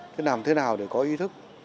thế làm thế nào để có ý thức